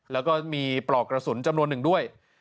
แล้วก็มีปลอกกระสุนจำนวนหนึ่งด้วย